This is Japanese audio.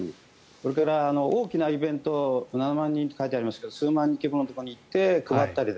それから、大きなイベント７万人と書いてありますが数万人規模のところに行って配ったり。